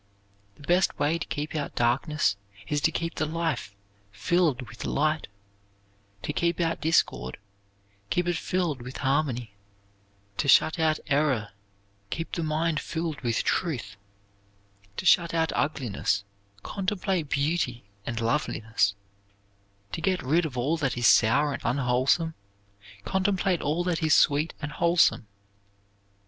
The best way to keep out darkness is to keep the life filled with light; to keep out discord, keep it filled with harmony; to shut out error, keep the mind filled with truth; to shut out ugliness, contemplate beauty and loveliness; to get rid of all that is sour and unwholesome, contemplate all that is sweet and wholesome.